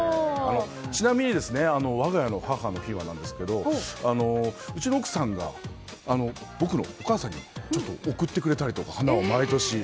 ちなみに我が家の母の日はなんですけどうちの奥さんが僕のお母さんに贈ってくれたり花を、毎年。